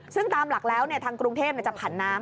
ซึ่งตามหลักแล้วทางกรุงเทพจะผันน้ำ